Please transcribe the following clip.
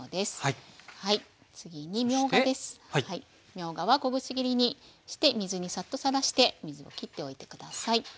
みょうがは小口切りにして水にサッとさらして水を切っておいて下さい。